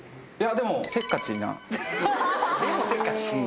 「でもせっかち」。